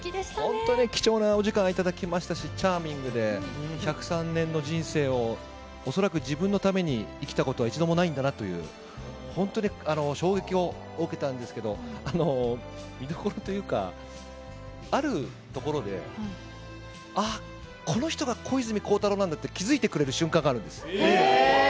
本当に貴重なお時間頂きましたし、チャーミングで、１０３年の人生を、恐らく自分のために生きたことは一度もないんだなっていう、本当に衝撃を受けたんですけど、見どころというか、あるところで、ああ、この人が小泉孝太郎なんだって気付いてくれる瞬間があるんです。